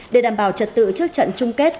để đảm bảo trật tự trước trận chung kết